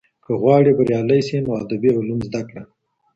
که غواړې بریالی سې نو ادبي علوم زده کړه.